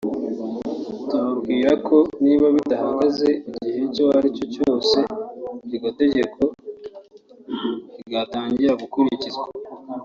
tubabwira ko niba bidahagaze igihe icyo ari cyo cyose iryo tegeko ryatangira gukurikizwa